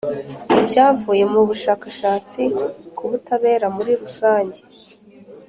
Ibyavuye mu bushakashatsi ku butabera muri rusange